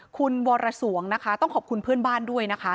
คุณวรสวงนะคะต้องขอบคุณเพื่อนบ้านด้วยนะคะ